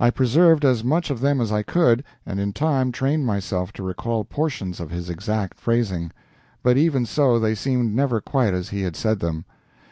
I preserved as much of them as I could, and in time trained myself to recall portions of his exact phrasing. But even so they seemed never quite as he had said them.